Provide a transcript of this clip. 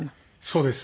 そうです。